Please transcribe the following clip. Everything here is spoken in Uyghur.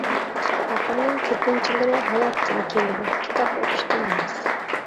ئەقىلنىڭ كۆپىنچىلىرى ھاياتتىن كېلىدۇ، كىتاب ئوقۇشتىن ئەمەس.